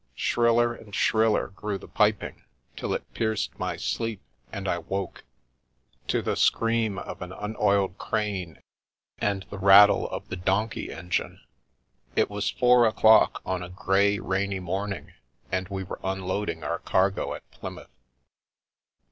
Shriller and shriller grew the piping, till it pierced my sleep, and I woke — to the scream of an unoiled crane and the rattle of the donkey engine. It was four o'clock on a grey, rainy morning, and we were unloading our cargo at Plymouth.